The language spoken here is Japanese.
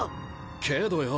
けどよ